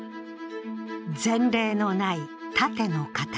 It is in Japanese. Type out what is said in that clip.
前例のない盾の形。